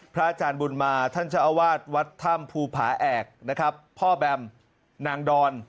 พระอาจารย์บุญมาท่านเจ้าอาวาสวัดธรรมภูภาแอกพ่อแบมนางดอน